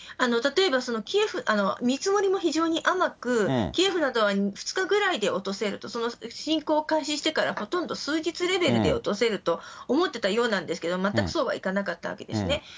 例えば、見積もりも非常に甘く、キエフなどは２日ぐらいで落とせると、侵攻を開始してからほとんど数日レベルで落とせると思ってたようなんですけれども、全くそうはいかなかったわけですね。